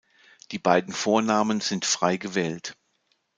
Die beiden Vornamen sind frei gewählt.